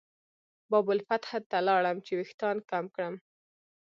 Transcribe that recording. باب الفتح ته لاړل چې وېښتان کم کړي.